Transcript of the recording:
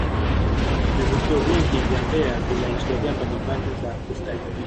vivutio vingi vya mbeya vina historia mbalimbali za kustaajabisha